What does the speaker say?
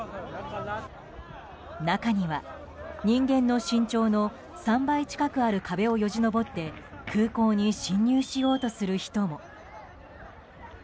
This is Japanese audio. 中には、人間の身長の３倍近くある壁をよじ登って空港に侵入しようとする人も。